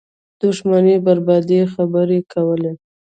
دښمنۍ بربادۍ خبرې کولې